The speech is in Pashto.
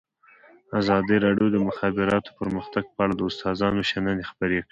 ازادي راډیو د د مخابراتو پرمختګ په اړه د استادانو شننې خپرې کړي.